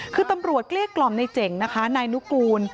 คือตำรวจเกลี้ยกล่อมในเจ๋งนะคะนายนุกูล